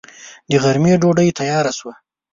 د غرمې ډوډۍ تياره شوه.